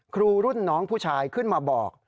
ครูรุ่นน้องผู้ชายขึ้นมาบอก